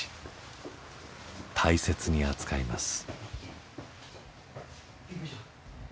大切に扱います。